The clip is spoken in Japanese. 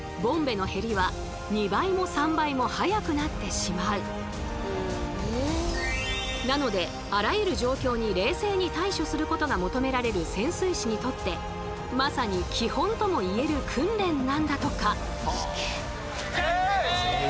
しかも慌てたりなのであらゆる状況に冷静に対処することが求められる潜水士にとってまさに基本とも言える訓練なんだとか。